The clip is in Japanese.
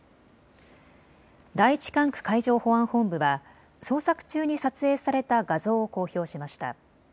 第１管区海上保安本部は捜索中に撮影された画像を公表しました。